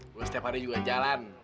gue setiap hari juga jalan